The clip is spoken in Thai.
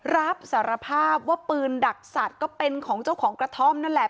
รับสารภาพว่าปืนดักสัตว์ก็เป็นของเจ้าของกระท่อมนั่นแหละ